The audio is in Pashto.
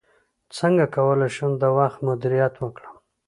څنګه کولی شم د وخت مدیریت وکړم